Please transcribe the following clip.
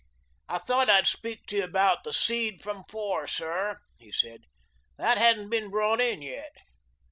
"I thought I'd speak to you about the seed from Four, sir," he said. "That hasn't been brought in yet."